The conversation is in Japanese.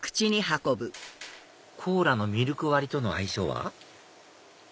コーラのミルク割りとの相性は？